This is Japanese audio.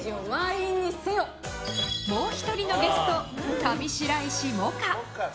もう１人のゲスト、上白石萌歌。